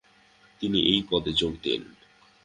তিনি এই পদে যোগ দেন ।